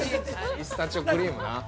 ◆ピスタチオクリームな。